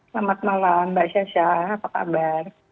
selamat malam mbak cesha apa kabar